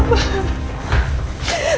mama udah mati